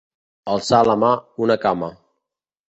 Alçar la mà, una cama.